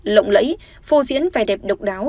lộng lẫy phô diễn vài đẹp độc đáo